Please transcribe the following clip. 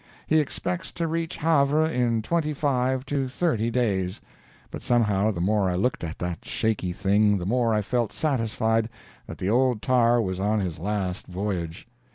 He expects to reach Havre in twenty five to thirty days, but somehow the more I looked at that shaky thing the more I felt satisfied that the old tar was on his last voyage.